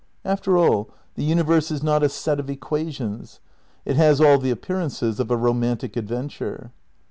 After all, the universe is not a set of equations. It has all the appearances of a romantic adventure.